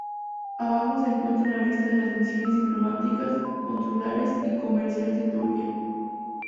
Abajo se encuentra una lista de las misiones diplomáticas, consulares y comercial de Turquía.